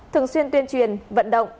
thường xuyên tuyên truyền vận động